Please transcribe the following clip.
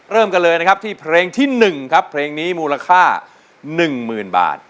เริ่มกันเลยนะครับที่เพลงที่๑ครับเพลงนี้มูลค่า๑๐๐๐บาท